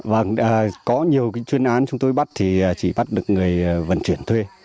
vâng có nhiều chuyên án chúng tôi bắt thì chỉ bắt được người vận chuyển thuê